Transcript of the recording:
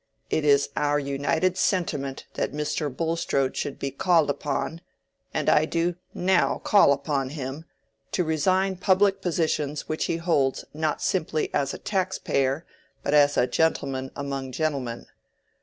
It is our united sentiment that Mr. Bulstrode should be called upon—and I do now call upon him—to resign public positions which he holds not simply as a tax payer, but as a gentleman among gentlemen.